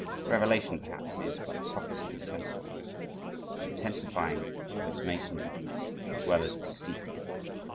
Revelation perhaps, is but prophecy intensified the intensifying of its mason work as well as its steeple.